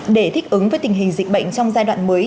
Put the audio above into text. để thích ứng với tình hình dịch bệnh trong giai đoạn mới